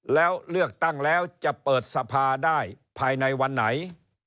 แล้วเลือกตั้งแล้วจะเปิดสภาได้ภายในวันไหน